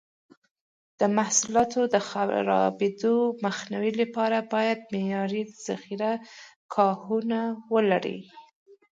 د حاصلاتو د خرابېدو مخنیوي لپاره باید معیاري ذخیره ګاهونه ولري.